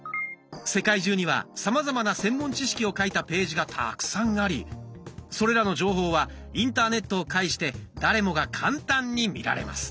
世界中にはさまざまな専門知識を書いたページがたくさんありそれらの情報はインターネットを介して誰もが簡単に見られます。